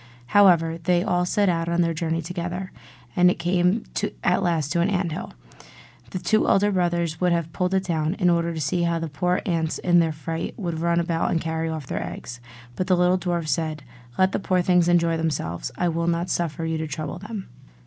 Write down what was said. However, they all set out on their journey together, and came at last to an ant hill. The two elder brothers would have pulled it down, in order to see how the poor ants in their fright would run about and carry off their eggs. But the little dwarf said, 'Let the poor things enjoy themselves, I will not suffer you to trouble them.